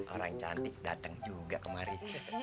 orang cantik datang juga kemari